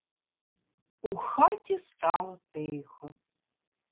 У хаті стало тихо.